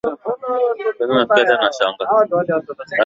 na siku Mia Hadi Mia mbili kila mwaka